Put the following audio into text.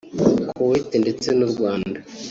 Kuwait ndetse n’u Rwanda